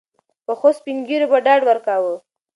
پخوسپین ږیرو به ډاډ ورکاوه.